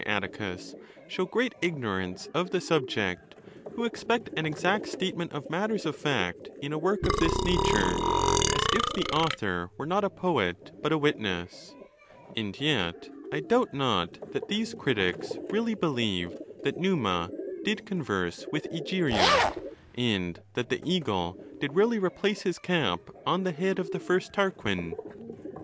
Atticus, show great ignorance of the subject, who expect an exact statement of matters of fact in a work of this nature, as | if the author were not a poet, but a witness. And yet, I doubt not that these critics really believe that Numa did converse with Egeria, and that the Eagle did really replace his cap on the head of the first Tarquin.